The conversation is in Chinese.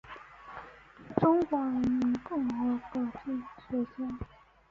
中华人民共和国哲学家。